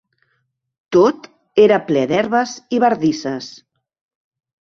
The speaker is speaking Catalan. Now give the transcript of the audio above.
Tot era ple d'herbes i bardisses